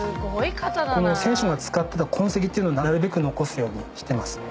この選手が使ってた痕跡をなるべく残すようにしてますね。